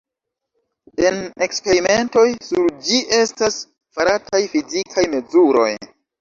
En eksperimentoj sur ĝi estas farataj fizikaj mezuroj.